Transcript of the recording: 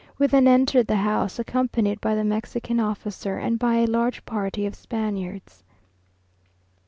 We then entered the house, accompanied by the Mexican officer, and by a large party of Spaniards.